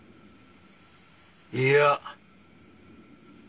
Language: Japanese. いや。